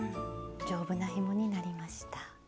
丈夫なひもになりました。